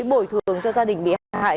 bồi thường cho gia đình bị hại